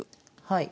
はい。